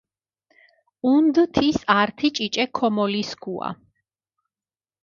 ჸუნდჷ თის ართი ჭიჭე ქომოლისქუა.